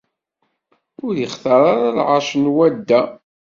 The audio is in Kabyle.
Ur ixtar ara lɛerc n wadda.